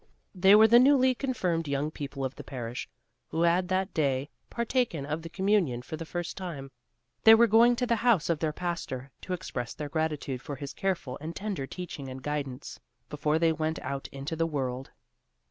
They were the newly confirmed young people of the parish, who had that day partaken of the Communion for the first time. They were going to the house of their pastor, to express their gratitude for his careful and tender teaching and guidance, before they went out into the world.